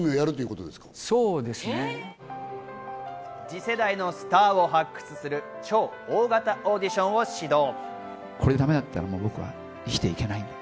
次世代のスターを発掘する超大型オーディションを始動。